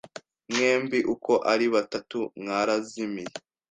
Mwembi uko ari batatu mwarazimiye